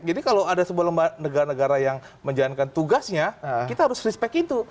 kalau ada sebuah lembaga negara negara yang menjalankan tugasnya kita harus respect itu